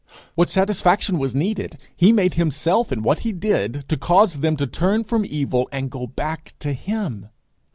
What satisfaction was needed he made himself in what he did to cause them to turn from evil and go back to him.